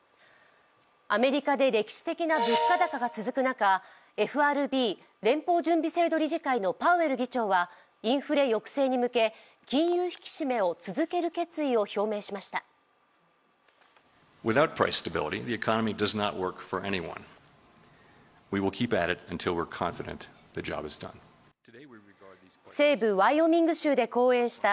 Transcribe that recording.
アメリカで歴史的な物価高が続く中ＦＲＢ＝連邦準備制度理事会のパウエル議長はインフレ抑制に向け金融引き締めを続ける決意を表明しました。